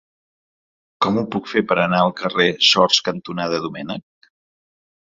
Com ho puc fer per anar al carrer Sors cantonada Domènech?